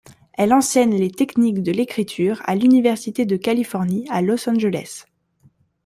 Elle enseigne les techniques de l'écriture à l'Université de Californie à Los Angeles.